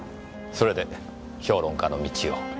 それで評論家の道を？